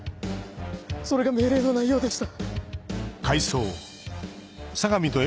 それが命令の内容でした。